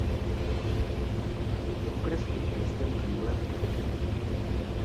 Je okresním městem Cleveland County.